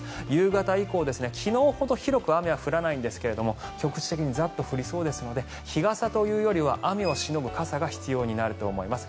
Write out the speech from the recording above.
夕方以降、昨日ほど広く雨は降らないんですが局地的にザッと降りそうですので日傘というより雨を防ぐ傘が必要になります。